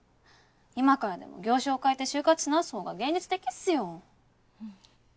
今からでも業種を変えて就活し直す方が現実的っすよ。